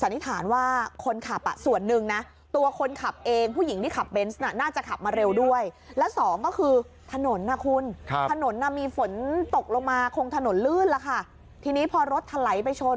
นิทานว่าคนขับส่วนหนึ่งนะ